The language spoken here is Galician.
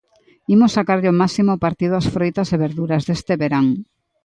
Imos sacarlle o máximo partido ás froitas e verduras deste verán!